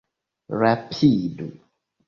Rapidu!